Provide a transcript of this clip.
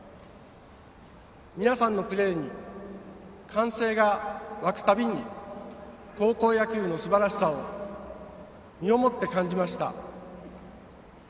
皆さんのプレーに歓声が沸くたびに高校野球のすばらしさを身をもって感じました。